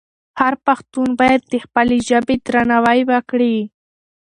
هر پښتون باید د خپلې ژبې درناوی وکړي.